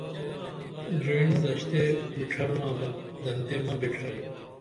گریٹن دشتے بڇھرنا بہ دنتے مہ بڇھرئی